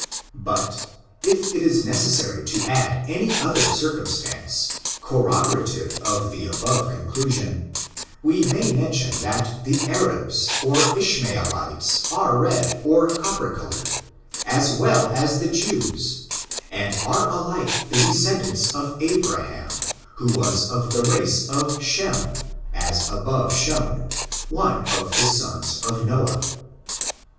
But, if it L necessary to add any other circum stapce, corroborative of the above conclusion, we may mention that the Arabs^ or Ishmaelites, are red^ or copper colored, as well as the Jews, and are alike the descendants of Abraham, who was of the race of Shem^ as above shown, one of the sons of Noah.